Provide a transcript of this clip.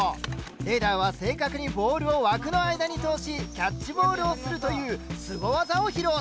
レイダーは正確にボールを枠の間に通しキャッチボールをするというすご技を披露した！